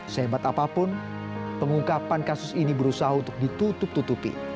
sehebat apapun pengungkapan kasus ini berusaha untuk ditutup tutupi